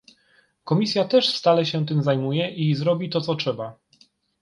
Komisja też stale sie tym zajmuje i zrobi to co trzeba